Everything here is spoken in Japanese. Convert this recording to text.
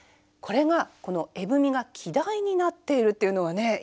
これがこの絵踏が季題になっているというのはね